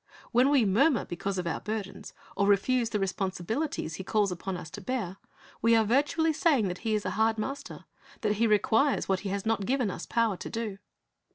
When we murmur because of our burdens, or refuse the responsibilities He calls upon us to bear, we are virtually saying that He is a hard master, that He requires what He has not given us power to do.